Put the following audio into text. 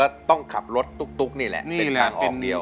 แล้วต้องขับรถตุ๊กนี่แหละเป็นทางออกเดียว